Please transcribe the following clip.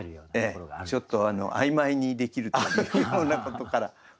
ちょっと曖昧にできるというようなことから面白いな。